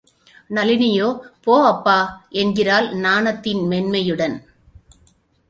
நளினியோ, போ அப்பா...! என்கிறாள் நாணத்தின் மென்மையுடன்.